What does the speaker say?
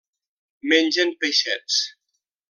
Mengen peixets.